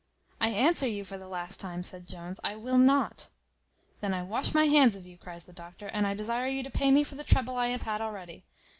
"I answer you for the last time," said Jones, "I will not." "Then I wash my hands of you," cries the doctor; "and I desire you to pay me for the trouble I have had already.